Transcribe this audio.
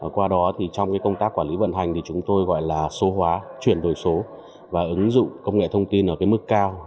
qua đó thì trong cái công tác quản lý vận hành thì chúng tôi gọi là số hóa chuyển đổi số và ứng dụng công nghệ thông tin ở cái mức cao